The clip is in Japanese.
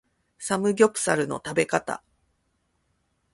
サムギョプサルの食べ方